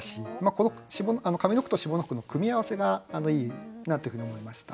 この上の句と下の句の組み合わせがいいなというふうに思いました。